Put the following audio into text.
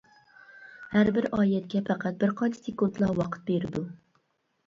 ھەر بىر ئايەتكە پەقەت بىر قانچە سېكۇنتلا ۋاقىت بېرىدۇ.